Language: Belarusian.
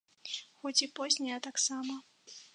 Хоць і познія таксама!